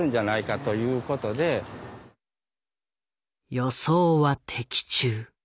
予想は的中。